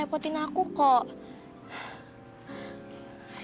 teman janganlah kayak prensip tuh